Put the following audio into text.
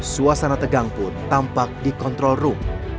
suasana tegang pun tampak di kontrol room